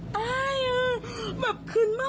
ทำไมพี่ทำแบบนี้